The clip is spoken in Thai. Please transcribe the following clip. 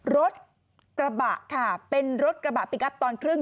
รถกระบะค่ะเป็นรถกระบะพลิกอัพตอนครึ่ง